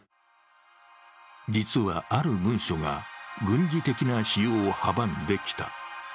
実は、ある文書が軍事的な使用を阻んできた。